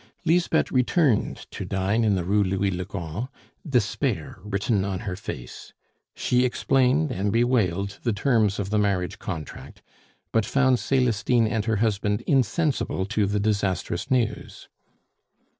Lisbeth returned to dine in the Rue Louis le Grand, despair written on her face. She explained and bewailed the terms of the marriage contract, but found Celestine and her husband insensible to the disastrous news.